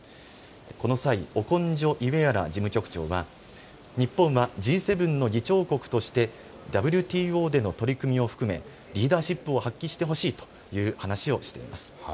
この際、オコンジョイウェアラ事務局長は日本はＧ７の議長国としてＷＴＯでの取り組みを含めリーダーシップを発揮してほしいという話をしています。